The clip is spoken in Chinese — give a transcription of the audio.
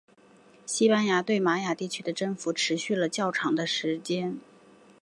西班牙对玛雅地区的征服持续了较长的时间。